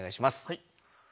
はい。